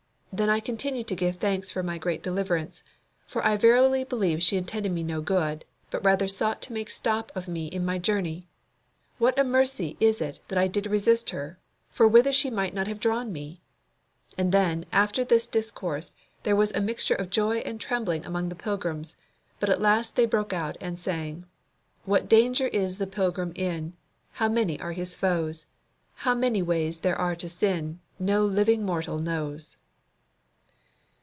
Then I continued to give thanks for my great deliverance; for I verify believe she intended me no good, but rather sought to make stop of me in my journey. What a mercy is it that I did resist her, for whither might she not have drawn me?" And then, after all this discourse, there was a mixture of joy and trembling among the pilgrims, but at last they broke out and sang: "What danger is the pilgrim in, How many are his foes, How many ways there are to sin, No living mortal knows!"